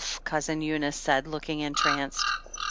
Cousin Eunice said, looking entranced.